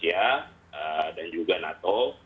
ya dan juga nato